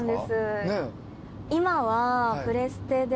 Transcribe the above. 今はプレステで。